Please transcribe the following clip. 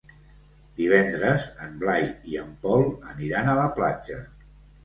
Divendres en Blai i en Pol aniran a la platja.